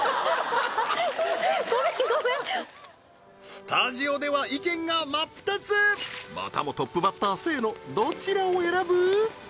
スタジオでは意見が真っ二つまたもトップバッター清野どちらを選ぶ？